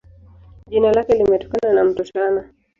Jina lake limetokana na Mto Tana.